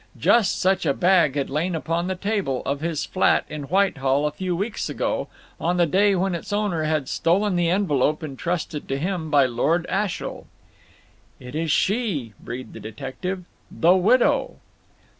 Just such a bag had lain upon the table of his flat in Whitehall a few weeks ago, on the day when its owner had stolen the envelope entrusted to him by Lord Ashiel. "It is she," breathed the detective, "the widow!"